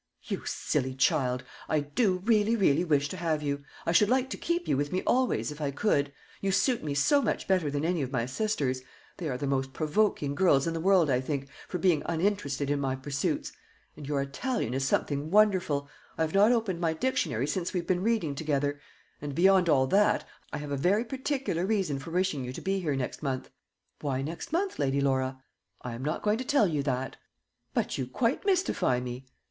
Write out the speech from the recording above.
"You silly child! I do really, really wish to have you. I should like to keep you with me always, if I could. You suit me so much better than any of my sisters; they are the most provoking girls in the world, I think, for being uninterested in my pursuits. And your Italian is something wonderful. I have not opened my dictionary since we have been reading together. And beyond all that, I have a very particular reason for wishing you to be here next month." "Why next month, Lady Laura?" "I am not going to tell you that." "But you quite mystify me."